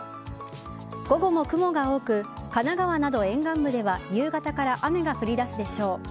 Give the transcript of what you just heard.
午後も雲が多く神奈川など沿岸部では夕方から雨が降り出すでしょう。